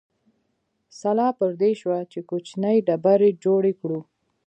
سلا پر دې شوه چې کوچنۍ ډبرې جوړې کړو.